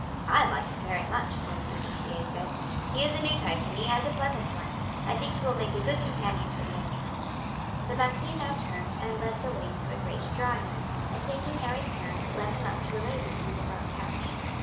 "I like him very much," M. du Tillet said; "he is a new type to me, and a pleasant one. I think he will make a good companion for the young count." The marquis now turned and led the way into a great drawing room, and taking Harry's hand led him up to a lady seated on a couch.